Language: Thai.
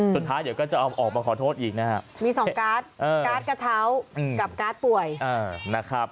สุดท้ายเดี๋ยวก็จะเอาออกมาขอโทษอีกนะครับมีสองการ์ดการ์ดกระเช้ากับการ์ดป่วยนะครับ